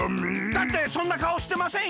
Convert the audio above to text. だってそんなかおしてませんよ。